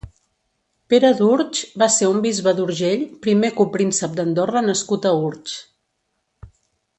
Pere d'Urtx va ser un bisbe d'Urgell, primer copríncep d'Andorra nascut a Urtx.